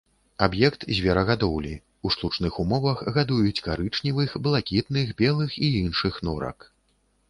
Аб'ект зверагадоўлі, у штучных умовах гадуюць карычневых, блакітных, белых і іншых норак.